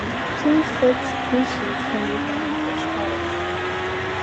Two subspecies can be found in freshwater.